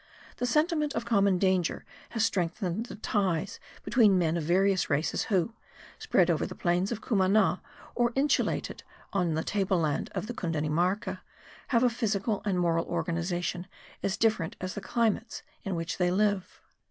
The sentiment of common danger has strengthened the ties between men of various races who, spread over the plains of Cumana or insulated on the table land of Cundinamarca, have a physical and moral organization as different as the climates in which they live.